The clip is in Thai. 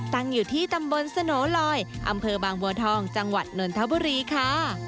ตั้งอยู่ที่ตำบลสโนลอยอำเภอบางบัวทองจังหวัดนนทบุรีค่ะ